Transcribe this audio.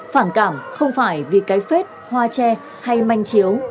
phản cảm không phải vì cái phết hoa tre hay manh chiếu